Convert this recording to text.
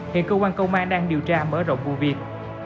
hiện cơ quan công an đang điều tra mở rộng vụ việc